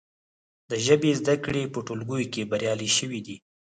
د ژبې زده کړې په ټولګیو کې بریالۍ شوي دي.